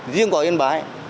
riêng của yên bái